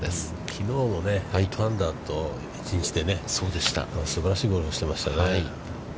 きのうも８アンダーと、１日でね、すばらしいゴルフをしてましたね。